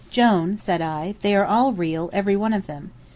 "Jone," said I, "they are all real, every one of them.